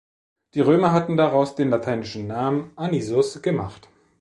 Die Römer hatten daraus den lateinischen Namen "Anisus" gemacht.